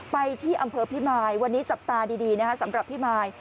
ไปที่อำเภอพิมายวันนี้จับตาดีนะครับสำหรับพี่มาย